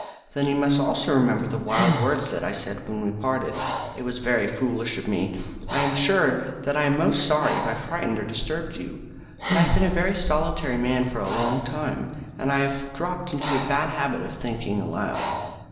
"Then you must also remember the wild words that I said when we parted. It was very foolish of me. I am sure that I am most sorry if I frightened or disturbed you, but I have been a very solitary man for a long time, and I have dropped into a bad habit of thinking aloud.